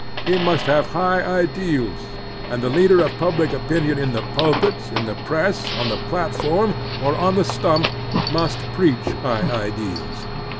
He must have high ideals, and the leader of public opinion in the pulpit, in the press, on the platform, or on the sttimp must preach high ideals.